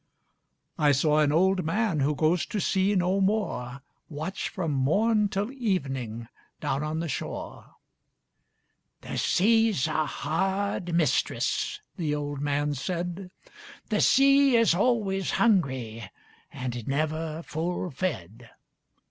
I saw an old man who goes to sea no more, Watch from morn till evening down on the shore."The sea's a hard mistress," the old man said;"The sea is always hungry and never full fed.